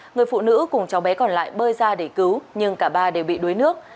người phụ nữ cùng cháu bé còn lại bơi ra để cứu nhưng cả ba đều bị đuối nước